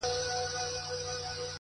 علم د انسان راتلونکی جوړوي.!